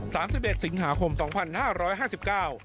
สิบเอ็ดสิงหาคมสองพันห้าร้อยห้าสิบเก้า